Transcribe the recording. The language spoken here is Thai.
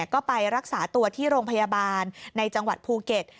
ก็ไปรักษาตัวที่โรงพยาบาลในจังหวัดภูเก็ต